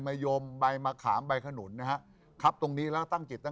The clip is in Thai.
คิกคิกคิกคิกคิกคิกคิกคิกคิกคิกคิกคิก